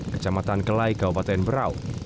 kecamatan kelai kabupaten berau